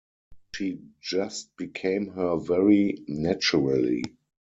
She just became her very naturally.